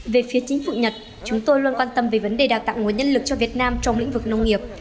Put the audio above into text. về phía chính phủ nhật chúng tôi luôn quan tâm về vấn đề đào tạo nguồn nhân lực cho việt nam trong lĩnh vực nông nghiệp